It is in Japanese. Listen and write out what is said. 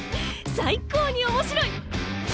最高に面白い！